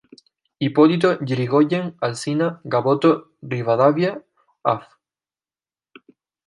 Hipólito Yrigoyen, Alsina, Gaboto, Rivadavia, Av.